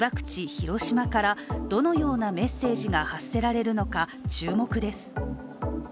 ・広島からどのようなメッセージが発せられるのか注目です。